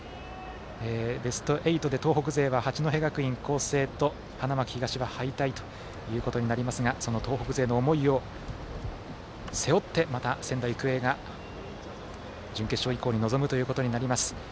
ベスト８で、東北勢は八戸学院光星と花巻東が敗退ということになりますがその東北勢の思いを背負ってまた、仙台育英が準決勝以降に臨むということになります。